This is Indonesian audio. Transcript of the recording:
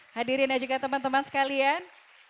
hadirin dan juga teman teman sekalian